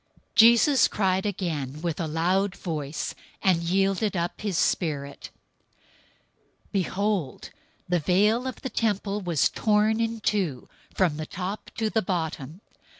027:050 Jesus cried again with a loud voice, and yielded up his spirit. 027:051 Behold, the veil of the temple was torn in two from the top to the bottom.